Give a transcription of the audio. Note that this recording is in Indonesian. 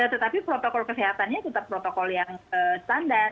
tetapi protokol kesehatannya tetap protokol yang standar